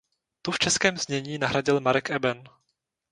Tu v českém znění nahradil Marek Eben.